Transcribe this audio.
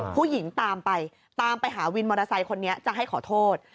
ผู้หญิงตามไปตามไปหาวินมอเตอร์ไซค์คนนี้จะให้ขอโทษ